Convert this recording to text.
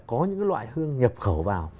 có những loại hương nhập khẩu vào